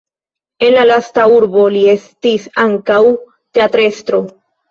En la lasta urbo li estis ankaŭ teatrestro.